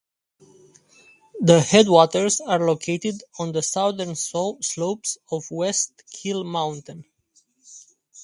The headwaters are located on the southern slopes of West Kill Mountain.